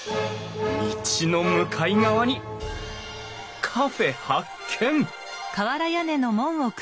道の向かい側にカフェ発見！